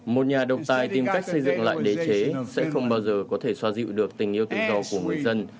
một nhà độc tài tìm cách xây dựng lại đế chế sẽ không bao giờ có thể xoa dịu được tình yêu tự do của người dân